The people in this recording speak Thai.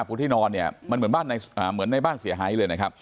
ผู้ที่นอนเนี่ยมันเหมือนบ้านเหมือนในบ้านเสียหายเลยนะครับ